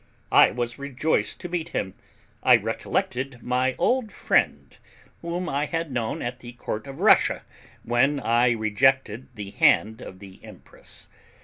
I was rejoiced to meet him; I recollected my old friend, whom I had known at the court of Russia, when I rejected the hand of the Empress.